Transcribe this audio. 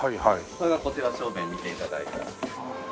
それがこちら正面見て頂いたら。